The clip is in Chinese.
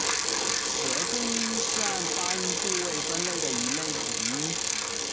舌根音是按发音部位分类的一类辅音。